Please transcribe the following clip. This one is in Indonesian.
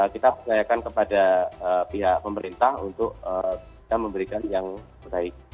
kita percayakan kepada pihak pemerintah untuk bisa memberikan yang baik